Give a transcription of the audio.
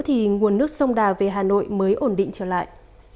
thì nguồn nước sông đà về hà nội mới ổn định trở lại